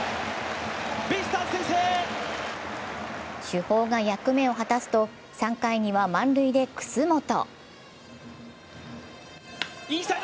主砲が役目を果たすと３回には満塁で楠本。